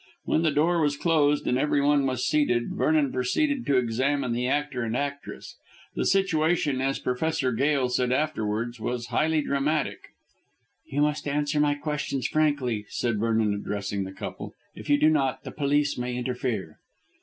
When the door was closed and everyone was seated Vernon proceeded to examine the actor and actress. The situation, as Professor Gail said afterwards, was highly dramatic. "You must answer my questions frankly," said Vernon addressing the couple; "if you do not, the police may interfere."